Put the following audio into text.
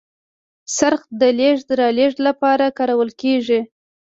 څرخ د لېږد رالېږد لپاره کارول کېده.